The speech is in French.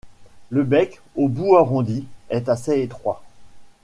Le bec, au bout arrondi, est assez étroit.